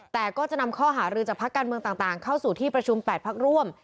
แต่ก็จะนำข้อหารือจากพักการเมืองต่างเข้าสู่ที่ประชุม๘พักร่วม